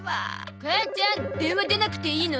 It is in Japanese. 母ちゃん電話出なくていいの？